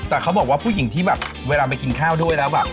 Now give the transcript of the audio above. แต่เขาบอกว่าผู้หญิงที่แบบเวลาไปกินข้าวด้วยแล้วแบบ